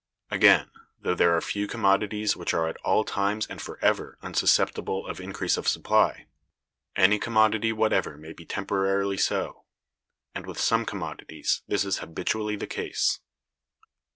Again, though there are few commodities which are at all times and forever unsusceptible of increase of supply, any commodity whatever may be temporarily so; and with some commodities this is habitually the case.